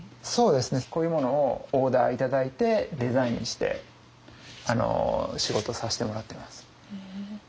そうですねこういうものをオーダー頂いてデザインして仕事さしてもらってます。